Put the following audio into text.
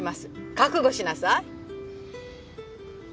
覚悟しなさい。